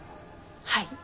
はい。